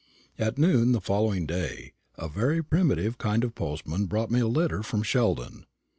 At noon the following day a very primitive kind of postman brought me a letter from Sheldon.